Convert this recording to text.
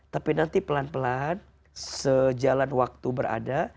tapi nanti pelan pelan sejalan waktu berada